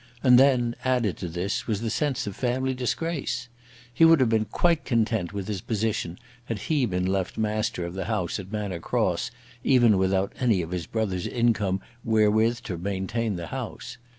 And then, added to this, was the sense of family disgrace. He would have been quite content with his position had he been left master of the house at Manor Cross, even without any of his brother's income wherewith to maintain the house.